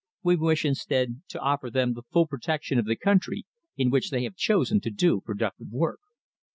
We wish instead to offer them the full protection of the country in which they have chosen to do productive work."